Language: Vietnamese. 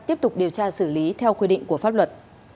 tiếp tục điều tra xử lý theo quy định của pháp luật